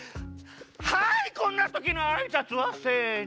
はいこんなときのあいさつは？せの！